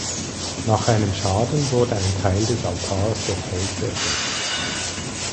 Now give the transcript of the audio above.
Nach einem Schaden wurde ein Teil des Altars durch Holz ersetzt.